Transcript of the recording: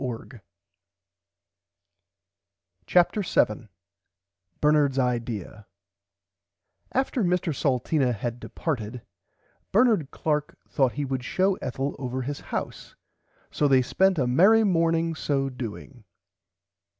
[Pg 74] CHAPTER 7 BERNARDS IDEAR After Mr Salteena had departed Bernard Clark thourght he would show Ethel over his house so they spent a merry morning so doing.